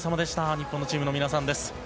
日本のチームの皆さんです。